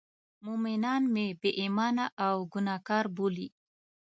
مومنان مې بې ایمانه او ګناه کار بولي.